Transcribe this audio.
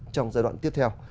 trong giai đoạn tiếp theo